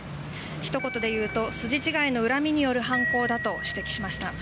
ひと言で言うと筋違いの恨みによる犯行だと指摘しました。